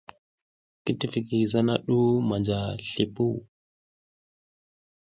I tifiki zana ɗu manja slipuw.